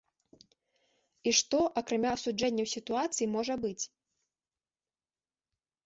І што, акрамя асуджэнняў сітуацыі, можа быць?